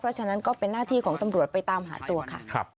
เพราะฉะนั้นก็เป็นหน้าที่ของตำรวจไปตามหาตัวค่ะ